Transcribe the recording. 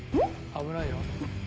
危ないよ。